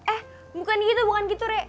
eh bukan gitu bukan gitu rek